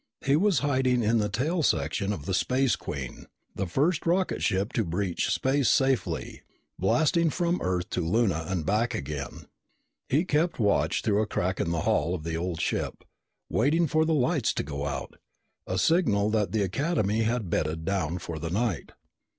He was hiding in the tail section of the Space Queen, the first rocket ship to breach space safely, blasting from Earth to Luna and back again. He had kept watch through a crack in the hull of the old ship, waiting for the lights to go out, a signal that the Academy had bedded down for the night.